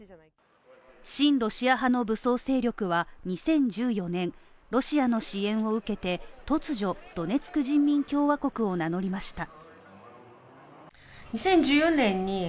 親ロシア派の武装勢力は２０１４年、ロシアの支援を受けて、突如ドネツク人民共和国を名乗りました。